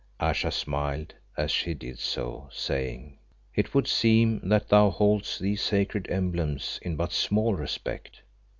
Ayesha smiled as he did so, saying "It would seem that thou holdest these sacred emblems in but small respect."